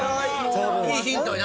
いいヒントに。